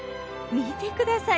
見てください